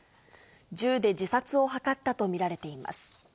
銃で自殺を図ったと見られています。